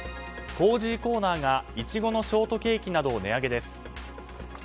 コージーコーナーがイチゴのショートケーキなどを値上げです。